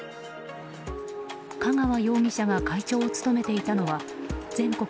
香川容疑者が会長を務めていたのは全国